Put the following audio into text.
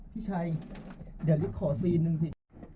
พี่ชายเดี๋ยวลิฟต์ขอซีนนึงสิ